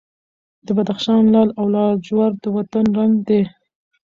د بدخشان لعل او لاجورد د وطن رنګ دی.